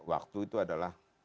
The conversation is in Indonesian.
waktu itu adalah